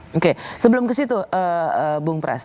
oke sebelum ke situ bung pras